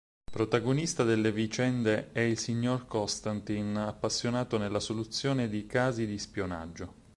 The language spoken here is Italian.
Protagonista delle vicende è il Signor Konstantin, appassionato nella soluzione di casi di spionaggio.